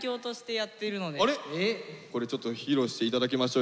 これちょっと披露していただきましょう。